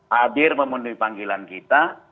hadir memenuhi panggilan kita